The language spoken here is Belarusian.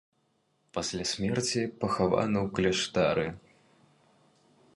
Пасля смерці пахавана ў кляштары.